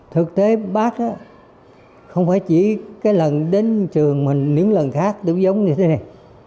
thực tế bác không phải chỉ cái lần đến trường mình những lần khác được giống như thế này